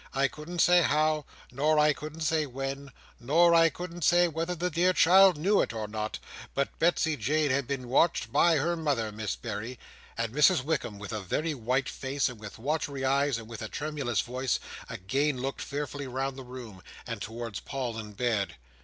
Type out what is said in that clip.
I couldn't say how, nor I couldn't say when, nor I couldn't say whether the dear child knew it or not, but Betsey Jane had been watched by her mother, Miss Berry!" and Mrs Wickam, with a very white face, and with watery eyes, and with a tremulous voice, again looked fearfully round the room, and towards Paul in bed.